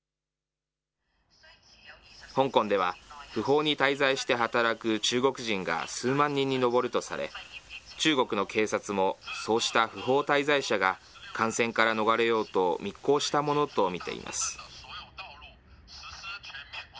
香港では、不法に滞在して働く中国人が数万人に上るとされ、中国の警察もそうした不法滞在者が感染から逃れようと密航したものと見ています。